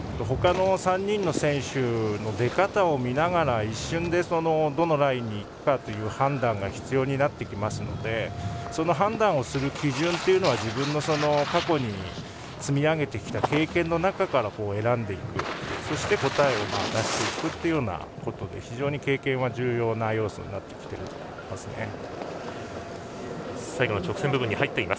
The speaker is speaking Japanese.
ほかの３人の選手の出方を見ながら一瞬でどのラインに行くかという判断が必要になりますのでその判断をする基準というのは自分が過去に積み上げてきた経験の中から選んでいく、そして答えを出していくというようなことで非常に経験は重要な要素になってきますね。